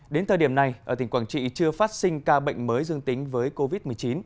đến thời điểm này ở tỉnh quảng trị chưa phát sinh ca bệnh mới dương tính với covid một mươi chín